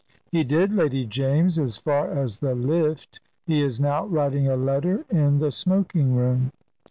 "He did, Lady James, as far as the lift. He is now writing a letter in the smoking room."